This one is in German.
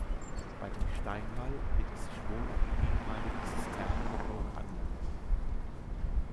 Bei dem Steinwall wird es sich wohl um die ehemalige Zisterne der Burg handeln.